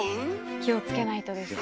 気を付けないとですよね。